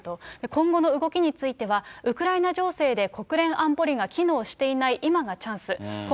今後の動きについては、ウクライナ情勢で、国連安保理が機能していない今がチャンス。